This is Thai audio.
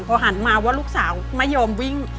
พอหันมาว่าลูกสาวไม่ยอมวิ่ง